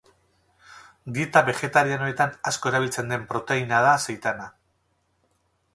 Dieta begetarianoetan asko erabiltzen den proteina da seitana.